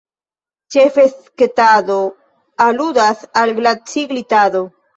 Ĉefe, sketado aludas al glaci-glitado.